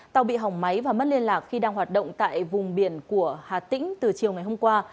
tàu bị hỏng máy và mất liên lạc khi đang hoạt động tại vùng biển của hà tĩnh từ chiều ngày hôm qua